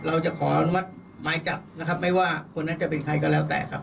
เราจะขออนุมัติหมายจับนะครับไม่ว่าคนนั้นจะเป็นใครก็แล้วแต่ครับ